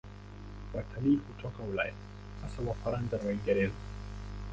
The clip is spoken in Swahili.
Watalii hutoka Ulaya, hasa Wafaransa na Waingereza.